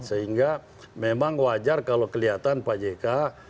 sehingga memang wajar kalau kelihatan pak jk